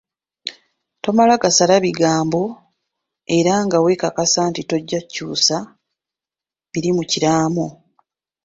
Tomala gasala bigambo era nga weekakasa nti tojja kukyusa biri mu kiraamo.